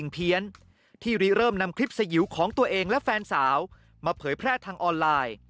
พวกแฟนสาวมาเผยแพร่ทางออนไลน์